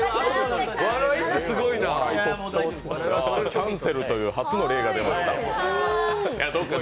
キャンセルという初の例が出ました。